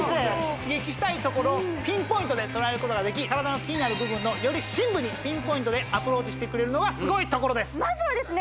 刺激したいところをピンポイントで捉えることができ体の気になる部分のより深部にピンポイントでアプローチしてくれるのがすごいところですまずはですね